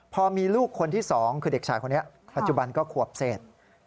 พอมีลูกคนที่๒คือเด็กชายคนนี้ปัจจุบันก็ขวบเศษ